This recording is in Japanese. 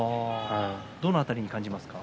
どの辺りに感じます？